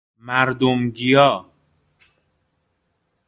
مردم گیا